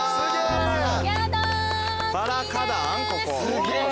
すげえ。